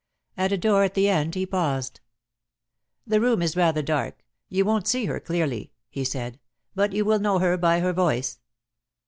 At a door at the end he paused. "The room is rather dark. You won't see her clearly," he said, "but you will know her by her voice."